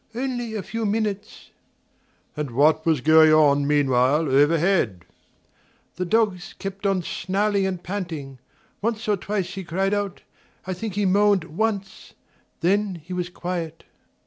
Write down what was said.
"Only a few minutes." "And what was going on meanwhile overhead?" "The dogs kept on snarling and panting. Once or twice he cried out. I think he moaned once. Then he was quiet."